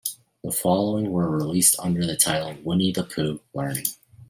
The following were released under the title "Winnie the Pooh: Learning".